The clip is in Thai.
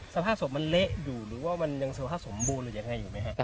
สภาพศพมันเละอยู่หรือว่ามันยังสภาพสมบูรณ์หรือยังไงอยู่ไหมฮะ